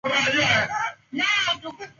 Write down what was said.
Hunisafi na dhambi, hunifanya Mshindi.